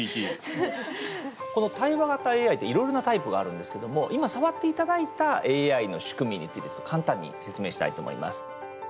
この対話型ＡＩっていろいろなタイプがあるんですけども今触っていただいたＡＩの仕組みについてちょっと簡単に説明したいと思います。